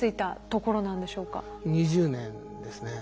２０年ですね。